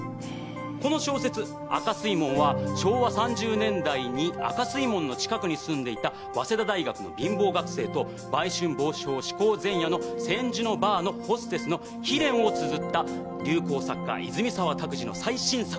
この小説『赤水門』は昭和３０年代に赤水門の近くに住んでいた早稲田大学の貧乏学生と売春防止法施行前夜の千住のバーのホステスの悲恋をつづった流行作家泉沢卓司の最新作であります。